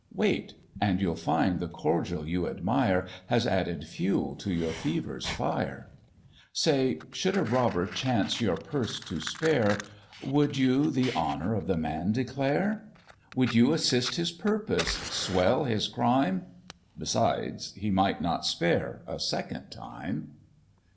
Wait, and you'll find the cordial you admire Has added fuel to your fever's fire: Say, should a robber chance your purse to spare, Would you the honour of the man declare? Would you assist his purpose? swell his crime? Besides, he might not spare a second time.